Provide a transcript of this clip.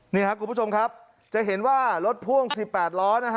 นี่ครับคุณผู้ชมครับจะเห็นว่ารถพ่วง๑๘ล้อนะฮะ